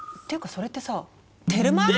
それってさテルマエ・ロマ。